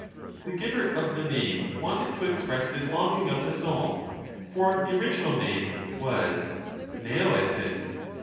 The giver of the name wanted to express this longing of the soul, for the original name was veoeai.